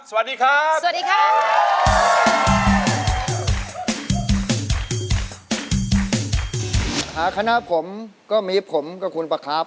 สวัสดีครับ